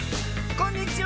こんにちは。